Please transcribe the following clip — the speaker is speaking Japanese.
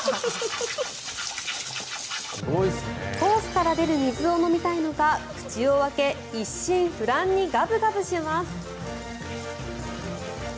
ホースから出る水を飲みたいのか口を開け一心不乱にガブガブします。